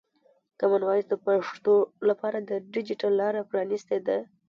کامن وایس د پښتو لپاره د ډیجیټل لاره پرانستې ده.